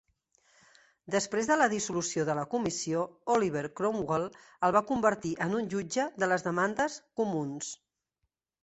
Després de la dissolució de la Comissió, Oliver Cromwell el va convertir en un jutge de les demandes comuns.